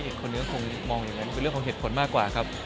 อีกคนฮนมองแบบนี้เป็นเรื่องของเหตุผลมากกว่าครับ